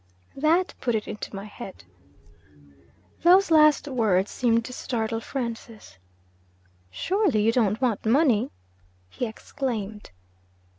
That put it into my head.' Those last words seemed to startle Francis. 'Surely you don't want money!' he exclaimed.